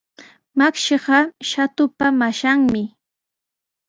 Makshiqa Shatupa mashanmi.